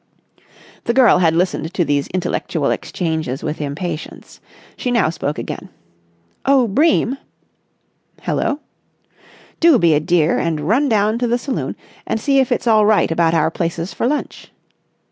The girl had listened to these intellectual exchanges with impatience. She now spoke again. "Oh, Bream!" "Hello?" "Do be a dear and run down to the saloon and see if it's all right about our places for lunch."